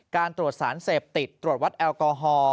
การตรวจสารเสพติดตรวจวัดแอลกอฮอล์